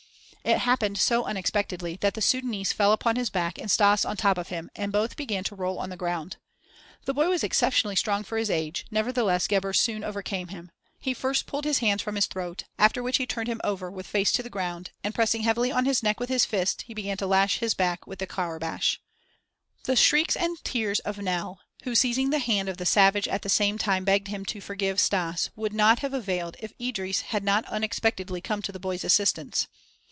It happened so unexpectedly that the Sudânese fell upon his back and Stas on top of him, and both began to roll on the ground. The boy was exceptionally strong for his age, nevertheless Gebhr soon overcame him. He first pulled his hands from his throat, after which he turned him over with face to the ground and, pressing heavily on his neck with his fist, he began to lash his back with the courbash. The shrieks and tears of Nell, who seizing the hand of the savage at the same time begged him "to forgive" Stas, would not have availed if Idris had not unexpectedly come to the boy's assistance.